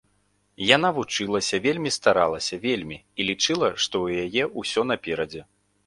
Яна вучылася, вельмі старалася, вельмі, і лічыла, што ў яе ўсё наперадзе.